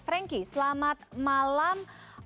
frankie selamat malam